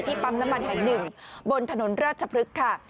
ปั๊มน้ำมันแห่งหนึ่งบนถนนราชพฤกษ์ค่ะ